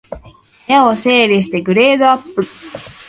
部屋を整理してグレードアップ